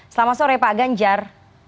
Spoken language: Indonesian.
selamat sore pak ganjar